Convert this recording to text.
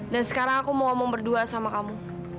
dan sekarang aku mau ngomong berdua sama kamu